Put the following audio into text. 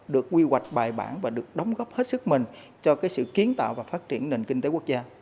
được quy hoạch bài bản và được đóng góp hết sức mình cho sự kiến tạo và phát triển nền kinh tế quốc gia